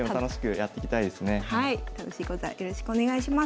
はい楽しい講座よろしくお願いします。